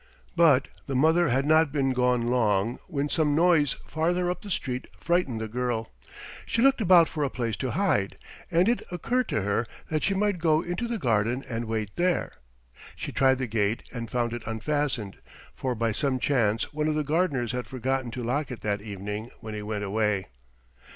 But the mother had not been gone long when some noise farther up the street frightened the girl. She looked about for a place to hide, and it occurred to her that she might go into the garden and wait there. She tried the gate and found it unfastened, for by some chance one of the gardeners had forgotten to lock it that evening when he went away.